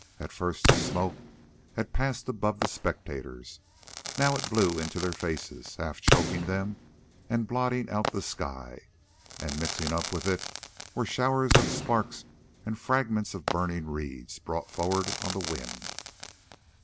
At first this smoke had passed above the spectators, now it blew into their faces, half choking them and blotting out the sky, and mixed up with it were showers of sparks and fragments of burning reeds brought forward on the wind.